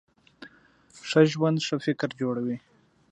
ښه ژوند ښه فکر جوړوي.